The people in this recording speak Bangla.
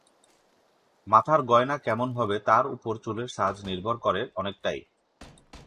মাথার গয়না কেমন হবে, তার ওপর চুলের সাজ নির্ভর করে অনেকটাই।